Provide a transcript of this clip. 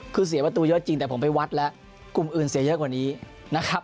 คือเสียประตูเยอะจริงแต่ผมไปวัดแล้วกลุ่มอื่นเสียเยอะกว่านี้นะครับ